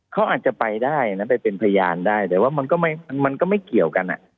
เขาอาจจะไปได้นะไปเป็นพยานได้แต่ว่ามันก็ไม่เกี่ยวกัน